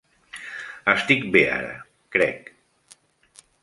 Estic bé ara, crec.